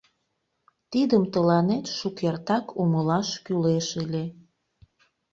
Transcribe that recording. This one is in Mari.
Тидым тыланет шукертак умылаш кӱлеш ыле.